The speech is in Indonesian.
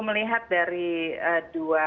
melihat dari dua